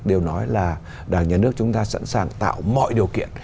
đều nói là đảng nhà nước chúng ta sẵn sàng tạo mọi điều kiện